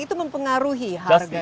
pasti mengaruhi harganya